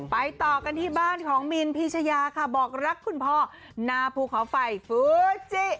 ต่อกันที่บ้านของมีนพีชยาค่ะบอกรักคุณพ่อหน้าภูเขาไฟฟูจิ